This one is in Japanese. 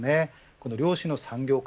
この量子の産業化